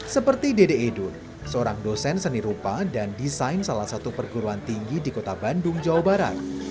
seperti dede edun seorang dosen seni rupa dan desain salah satu perguruan tinggi di kota bandung jawa barat